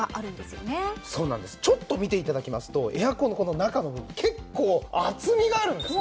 ちょっと見て頂きますとエアコンこの中の部分結構厚みがあるんですね。